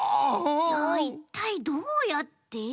じゃあいったいどうやって！？